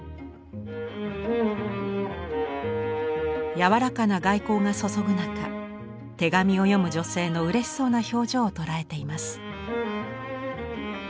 柔らかな外光が注ぐ中手紙を読む女性のうれしそうな表情を捉えています。